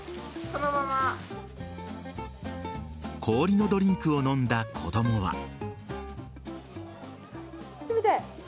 氷のドリンクを飲んだ子供は。